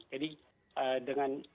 jadi dengan begitu